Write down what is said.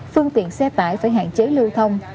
phương tiện xe tải phải hạn chế lưu thông